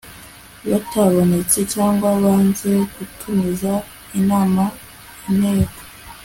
batabonetse cyangwa banze gutumiza inama inteko